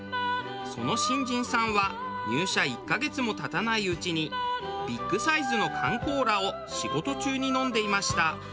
その新人さんは入社１カ月も経たないうちにビッグサイズの缶コーラを仕事中に飲んでいました。